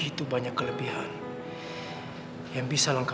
ih emangnya kegeran banget tuh orang